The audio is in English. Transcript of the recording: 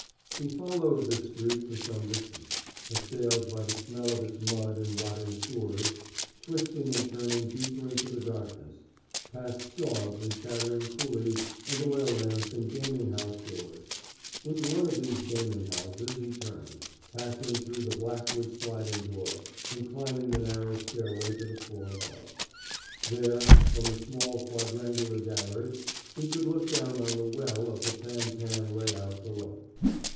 He followed this street for some distance, assailed by the smell of its mud and rotting sewerage, twisting and turning deeper into the darkness, past dogs and chattering coolies and oil lamps and gaming house doors. Into one of these gaming houses he turned, passing through the blackwood sliding door and climbing the narrow stairway to the floor above. There, from a small quadrangular gallery, he could look down on the "well" of the fan tan lay out below.